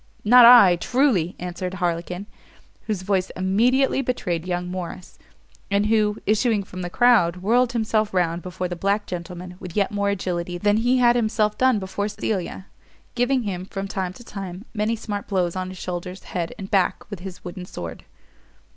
"Not I truly!" answered Harlequin, whose voice immediately betrayed young Morrice, and who, issuing from the crowd, whirled himself round before the black gentleman with yet more agility than he had himself done before Cecilia, giving him, from time to time, many smart blows on his shoulders, head, and back, with his wooden sword.